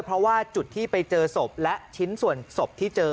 เพราะว่าจุดที่ไปเจอศพและชิ้นส่วนศพที่เจอ